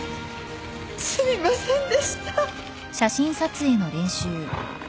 すみませんでした。